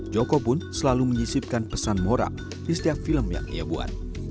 joko pun selalu menyisipkan pesan moral di setiap film yang ia buat